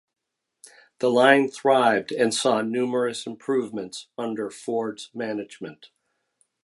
The line thrived and saw numerous improvements under Ford's management.